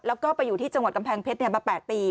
แล้วก็ไปอยู่ที่จังหวัดกำแพงเพชรมา๘ปี